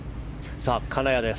さあ、金谷です。